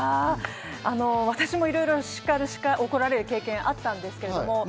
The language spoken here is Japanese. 私も怒られる経験があったんですけれども。